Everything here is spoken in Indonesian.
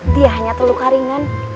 dia hanya terluka ringan